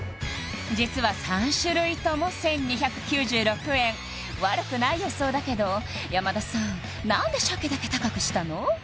実は３種類とも１２９６円悪くない予想だけど山田さん何で鮭だけ高くしたの？